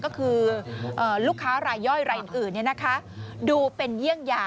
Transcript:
ก็คือลูกค้ารายย่อยรายอื่นดูเป็นเยี่ยงยา